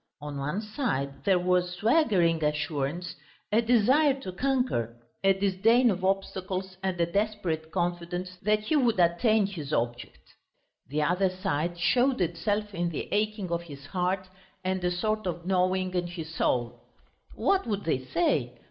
On one side there was swaggering assurance, a desire to conquer, a disdain of obstacles and a desperate confidence that he would attain his object. The other side showed itself in the aching of his heart, and a sort of gnawing in his soul. "What would they say?